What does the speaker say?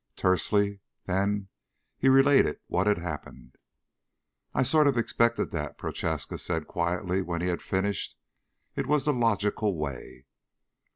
Tersely, then, he related what had happened. "I sort of expected that," Prochaska said quietly when he had finished. "It was the logical way."